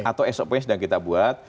atau sop sedang kita buat